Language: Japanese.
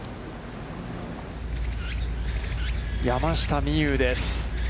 山下美夢有です。